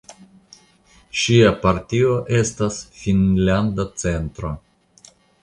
Ŝia partio estas Finnlanda centro.